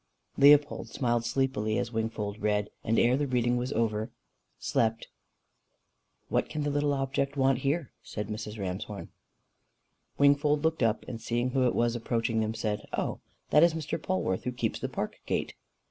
Leopold smiled sleepily as Wingfold read, and ere the reading was over, slept. "What can the little object want here?" said Mrs. Ramshorn. Wingfold looked up, and seeing who it was approaching them, said, "Oh! that is Mr. Polwarth, who keeps the park gate."